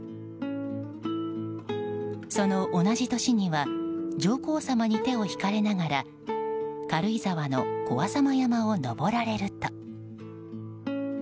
その同じ年には上皇さまに手を引かれながら軽井沢の小浅間山を登られると。